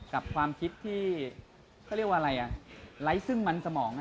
กับความคิดที่เขาเรียกว่าอะไรอ่ะไร้ซึ่งมันสมอง